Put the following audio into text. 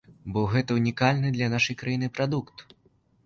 Бо гэта ўнікальны для нашай краіны прадукт.